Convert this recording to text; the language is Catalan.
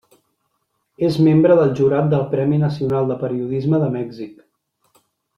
És membre del jurat del Premi Nacional de Periodisme de Mèxic.